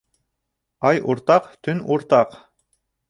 Ай уртаҡ, төн уртаҡ.